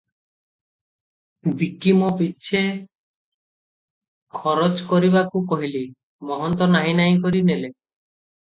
ବିକି ମୋ ପିଛେ ଖରଚ କରିବାକୁ କହିଲି ।ମହନ୍ତ ନାହିଁ ନାହିଁ କରି ନେଲେ ।